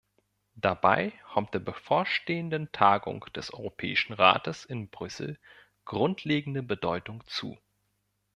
Dabei kommt der bevorstehenden Tagung des Europäischen Rates in Brüssel grundlegende Bedeutung zu.